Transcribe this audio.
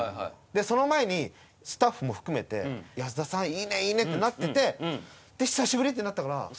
その前にスタッフも含めて「安田さんいいねいいね」ってなっててで「久しぶり！」ってなったからそれは落ち着きなくなりますよね。